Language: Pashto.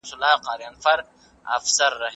تاریخ د معاصر سیاست روح او لوری ټاکي.